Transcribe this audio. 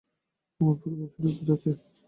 আমার পরিবার সুরক্ষিত আছে?